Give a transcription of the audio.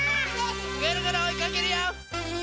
ぐるぐるおいかけるよ！